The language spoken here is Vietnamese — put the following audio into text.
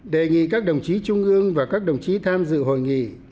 đề nghị các đồng chí trung ương và các đồng chí tham dự hội nghị